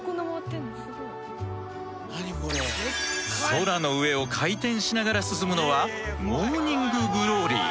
空の上を回転しながら進むのはモーニング・グローリー。